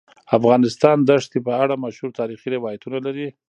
افغانستان د ښتې په اړه مشهور تاریخی روایتونه لري.